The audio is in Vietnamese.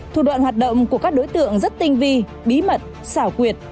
thủ đoạn hoạt động của các đối tượng rất tinh vi bí mật xảo quyệt